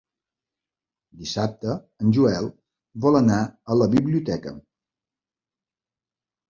Dissabte en Joel vol anar a la biblioteca.